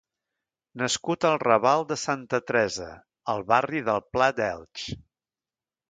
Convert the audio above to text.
Nascut al raval de Santa Teresa, al barri del Pla d’Elx.